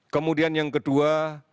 kemudian yang kedua